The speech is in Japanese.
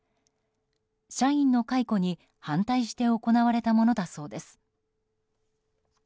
社員の解雇に反対して行われたものだそうです。